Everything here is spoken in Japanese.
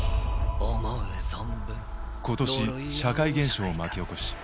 今年社会現象を巻き起こし